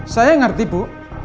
saya ngerti ibu